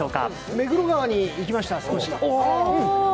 目黒川に行きました、少し。